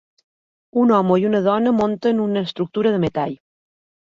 Un home i una dona munten una estructura de metall.